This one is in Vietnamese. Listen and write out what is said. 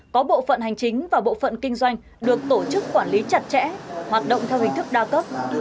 có bộ phận hành chính và bộ phận kinh doanh được tổ chức quản lý chặt chẽ hoạt động theo hình thức đa cấp